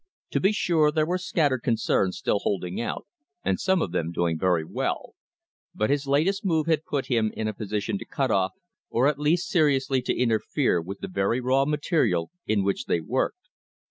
To be sure there were scattered concerns still holding out and some of them doing very well ; but his latest move had put him in a position to cut off or at least seriously to interfere with the very raw material in which they worked.